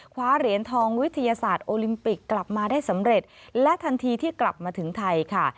คว้าเหรียญทองวิทยาศาสตร์โอลิมปิกกลับมาได้สำเร็จและทันทีที่กลับมาถึงไทยค่ะ